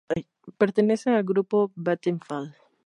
Pertenece al grupo Vattenfall.